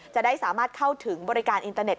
จะได้สามารถเข้าถึงบริการอินเตอร์เน็